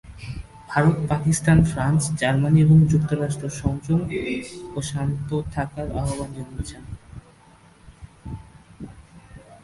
Bharat, Pakistan, France, Germany এবং যুক্তরাজ্য সংযম ও শান্ত থাকার আহ্বান জানিয়েছে।